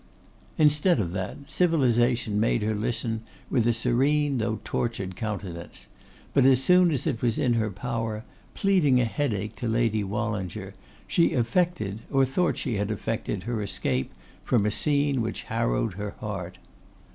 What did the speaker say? Instead of that, civilisation made her listen with a serene though tortured countenance; but as soon as it was in her power, pleading a headache to Lady Wallinger, she effected, or thought she had effected, her escape from a scene which harrowed her heart.